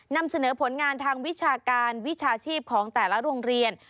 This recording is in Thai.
นำเสนอผลงานทางวิชาการวิชาชีพของแต่ละโรงเรียน